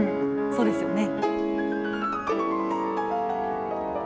そうですよね。